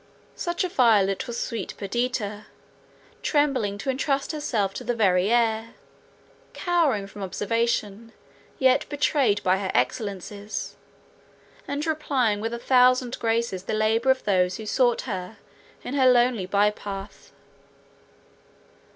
Such a violet was sweet Perdita, trembling to entrust herself to the very air, cowering from observation, yet betrayed by her excellences; and repaying with a thousand graces the labour of those who sought her in her lonely bye path.